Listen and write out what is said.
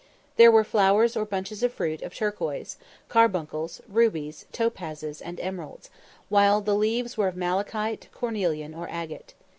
There were flowers or bunches of fruit, of turquoise, carbuncles, rubies, topazes, and emeralds, while the leaves were of malachite, cornelian, or agate.